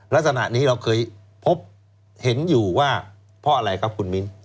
ลักษณะนี้เราเคยพบเห็นอยู่ว่าเพราะอะไรครับคุณมิ้น